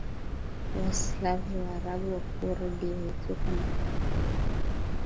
Waslavs Waarabu Wakurdi Waethiopia na kadhalika Waturuki